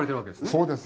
そうです。